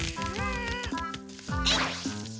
えいっ！